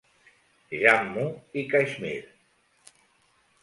Jammu i Caixmir.